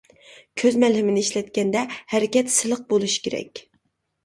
كۆز مەلھىمىنى ئىشلەتكەندە ھەرىكەت سىلىق بولۇش كېرەك.